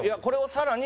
さらに？